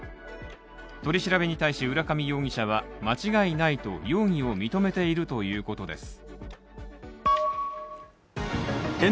取り調べに対し、浦上容疑者は間違いないと容疑を認めているということです